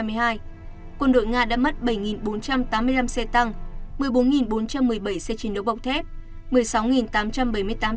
quân đội nga đã mất bảy bốn trăm tám mươi năm xe tăng một mươi bốn bốn trăm một mươi bảy xe chiến đấu bọc thép